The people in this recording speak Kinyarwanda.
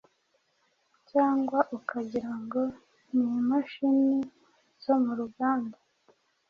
cg ukagira ngo n’imashini zo muruganda